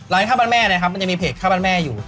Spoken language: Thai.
ไลน์ค่าบ้านแม่เนี่ยครับมันยังมีเพจค่าบ้านแม่อยู่